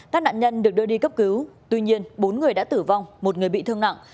các nạn nhân được đưa đi cấp cứu tuy nhiên bốn người đã tử vong một người bị thương nặng